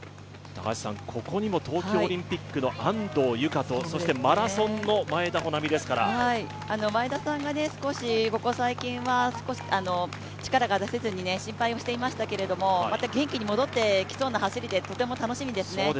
ここにも東京オリンピックの安藤友香とマラソンの前田穂南ですから、前田さんが、ここ最近は力が出せずに心配していましたけどまた、元気が戻ってきそうなとても楽しみですね。